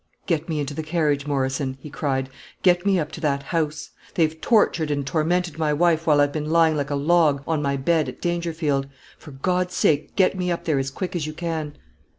"Get me into the carriage, Morrison," he cried. "Get me up to that house. They've tortured and tormented my wife while I've been lying like a log on my bed at Dangerfield. For God's sake, get me up there as quick as you can!"